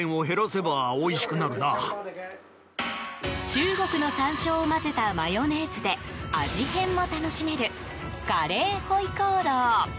中国の山椒を混ぜたマヨネーズで味変も楽しめる、カレー回鍋肉。